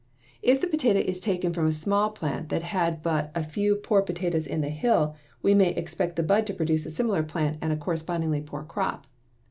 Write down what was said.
If the potato is taken from a small plant that had but a few poor potatoes in the hill, we may expect the bud to produce a similar plant and a correspondingly poor crop.